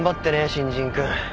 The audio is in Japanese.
新人君。